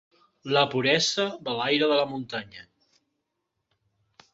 La puresa de l'aire de muntanya.